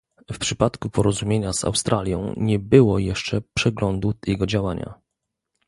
W przypadku porozumienia z Australią nie było jeszcze przeglądu jego działania